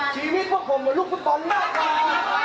ชีวิตพวกผมรุ่นบอลมากกว่า